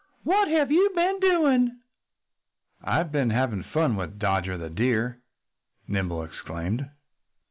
"What have you been doing?" "I've been having fun with Dodger the Deer," Nimble explained.